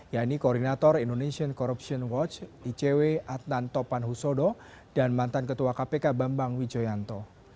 yaitu koordinator indonesian corruption watch icw atnanto panhusodo dan mantan ketua kpk bambang wijoyanto